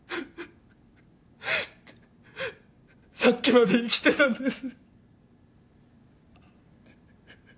さっきまで生きてたんです。